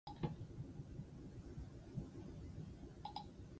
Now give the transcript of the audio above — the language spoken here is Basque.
Ebazpena jakinarazi ostean, indar armatuek akusatuak atxiki dituzte.